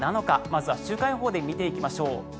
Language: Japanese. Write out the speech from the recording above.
まずは週間予報で見ていきましょう。